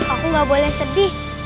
aku gak boleh sedih